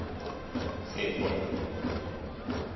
Szép volt.